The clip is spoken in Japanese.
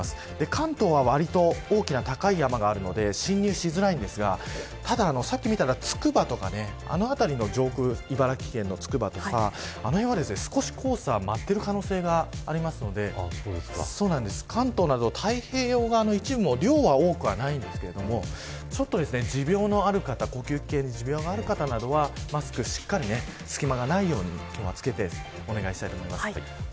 関東はわりと、大きな高い山があるので進入しづらいんですがただ、さっき見たらつくばとかこの辺りの上空茨城県のつくばとかあの辺は少し黄砂が舞っている可能性がありますので関東など、太平洋側の一部も量は多くはないんですがちょっと持病のある方呼吸器系に持病がある方はマスクをしっかり隙間がないように着けるようにお願いします。